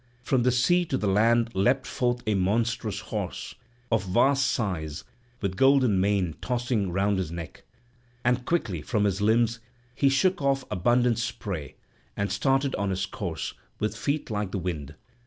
From the sea to the land leapt forth a monstrous horse, of vast size, with golden mane tossing round his neck; and quickly from his limbs he shook off abundant spray and started on his course, with feet like the wind.